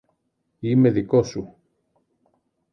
Είμαι δικός σου